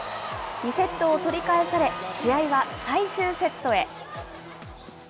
２セットを取り返され、試合は最終セットへ。